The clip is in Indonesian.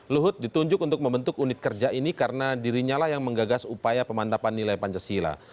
luhut ditunjuk untuk membentuk unit kerja ini karena dirinya lah yang menggagas upaya pemantapan nilai pancasila